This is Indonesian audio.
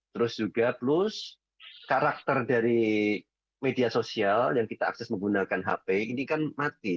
terus juga plus karakter dari media sosial yang kita akses menggunakan hp ini kan mati